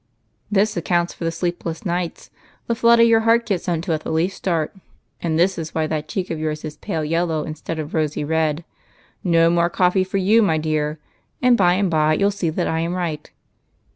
" This accounts for the sleepless nights, the flutter your heart gets into at the least start, and this is why that cheek of yours is pale yellow instead of rosy red. Kg more coffee for you, my dear, and by and by you '11 see that I am right.